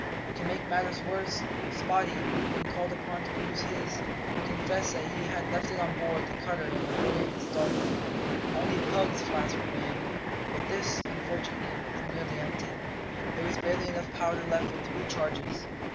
To make matters worse, Spottie, when called upon to produce his, confessed that he had left it on board the cutter in the hurry of the start. Only Pug's flask remained; but this, unfortunately, was nearly empty. There was barely enough powder left for three charges.